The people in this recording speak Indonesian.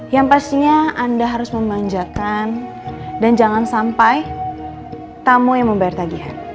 yang pastinya anda harus memanjakan dan jangan sampai tamu yang membayar tagihan